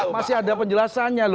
masih ada penjelasannya